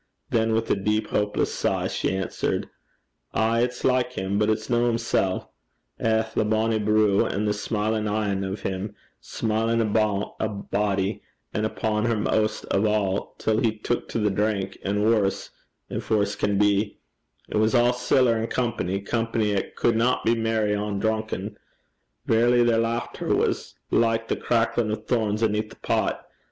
Then with a deep hopeless sigh, she answered, 'Ay, it's like him; but it's no himsel'. Eh, the bonny broo, an' the smilin' een o' him! smilin' upon a'body, an' upo' her maist o' a', till he took to the drink, and waur gin waur can be. It was a' siller an' company company 'at cudna be merry ohn drunken. Verity their lauchter was like the cracklin' o' thorns aneath a pot.